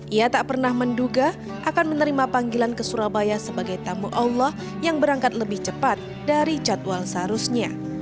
ia tak pernah menduga akan menerima panggilan ke surabaya sebagai tamu allah yang berangkat lebih cepat dari jadwal seharusnya